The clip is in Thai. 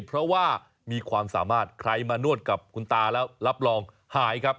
เพราะว่ามีความสามารถใครมานวดกับคุณตาแล้วรับรองหายครับ